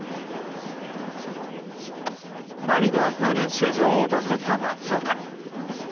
マリナーズの練習場を訪れた松岡。